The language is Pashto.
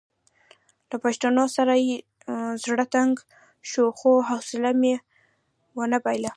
له پوښتنو یې زړه تنګ شو خو حوصله مې ونه بایلله.